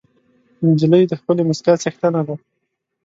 نجلۍ د ښکلې موسکا څښتنه ده.